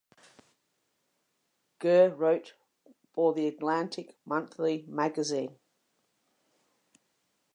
Gere wrote for the "Atlantic Monthly" magazine.